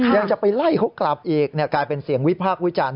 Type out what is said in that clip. ยังจะไปไล่เขากลับอีกกลายเป็นเสียงวิพากษ์วิจารณ์